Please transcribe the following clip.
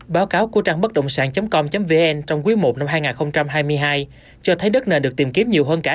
báo cáo của trang bất động sản com vn trong quý i năm hai nghìn hai mươi hai cho thấy đất nền được tìm kiếm nhiều hơn cả